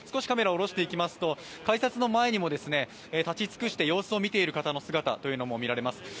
カメラを下ろしていきますと改札の前にも立ち尽くして様子を見ている方の姿も見られます。